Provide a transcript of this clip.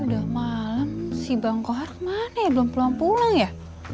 udah malem si bang kohar kemana ya belum pulang pulang ya